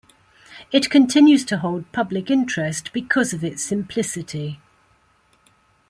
It continues to hold public interest because of its simplicity.